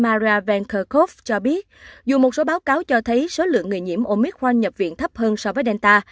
maria van kerkhove cho biết dù một số báo cáo cho thấy số lượng người nhiễm omicron nhập viện thấp hơn so với delta